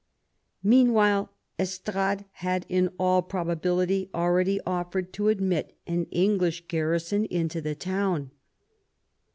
Meanwhile Estrades had in all probability already offered to admit an English garrison into the town.